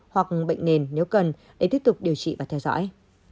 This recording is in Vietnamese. hoặc bệnh nền nếu cần để tiếp tục điều trị và theo dõi